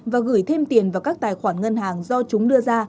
và gửi thêm tiền vào các tài khoản ngân hàng do chúng đưa ra